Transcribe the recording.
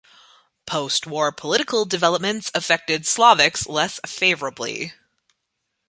Postwar political developments affected Slovaks less favorably.